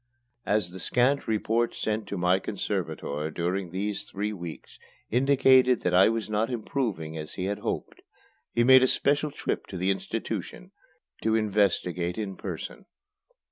As the scant reports sent to my conservator during these three weeks indicated that I was not improving as he had hoped, he made a special trip to the institution, to investigate in person.